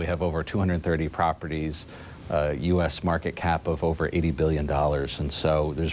ใช่เราอยู่อาเซียนานอีก๒๐ปี